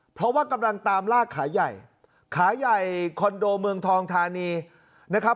เพราะว่ากำลังตามลากขาใหญ่ขาใหญ่คอนโดเมืองทองธานีนะครับ